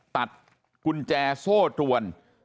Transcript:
ตัดกุญแจโซ่ตรวน